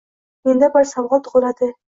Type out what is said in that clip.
Menda bir savol tugʻiladi.